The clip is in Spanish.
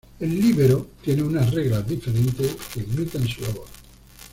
El líbero tiene unas reglas diferentes que limitan su labor.